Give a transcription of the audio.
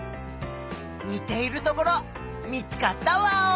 にているところ見つかったワオ！